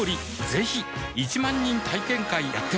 ぜひ１万人体験会やってます